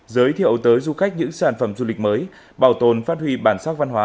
giới thiệu tới du khách những sản phẩm du lịch mới bảo tồn phát huy bản sắc văn hóa